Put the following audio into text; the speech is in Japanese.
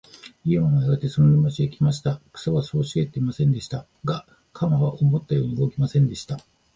イワンはやがてその沼地へ来ました。草はそう茂ってはいませんでした。が、鎌は思うように動きませんでした。